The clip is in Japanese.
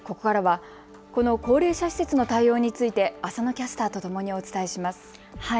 この高齢者施設の対応について浅野キャスターとともにお伝えします。